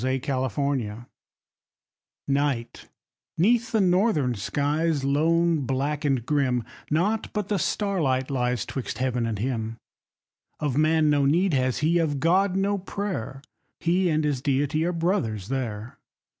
THE CAMPER Night 'neath the northern skies, lone, black, and grim: Naught but the starlight lies 'twixt heaven, and him. Of man no need has he, of God, no prayer; He and his Deity are brothers there.